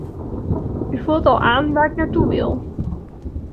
U voelt al aan waar ik naar toe wil.